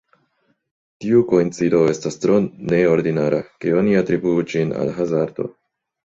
Tiu koincido estas tro neordinara, ke oni atribuu ĝin al hazardo.